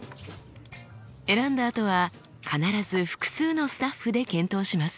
選んだあとは必ず複数のスタッフで検討します。